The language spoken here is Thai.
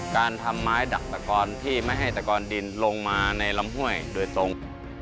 การทำไม้ดักตะกอนที่ไม่ให้ตะกอนดินลงมาในลำห้วยโดยตรง